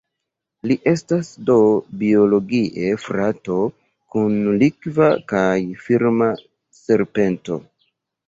Li estas do "biologie" frato kun Likva kaj Firma serpento.